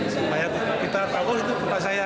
supaya kita tahu itu putra saya